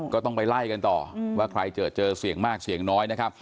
ก็ต้องไปไล่กันต่อว่าใครเจอเจอเสี่ยงมากเสี่ยงน้อยนะครับ